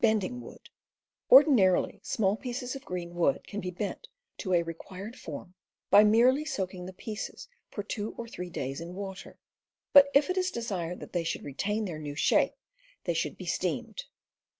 Ordinarily, small pieces of green wood can be bent to a required form by merely soaking the pieces for >,. two or three days in water; but if it is ^,^ desired that they should retain their new shape, they should be steamed.